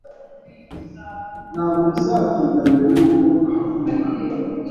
Ntabwo bizatinda mbere yuko ahaguruka)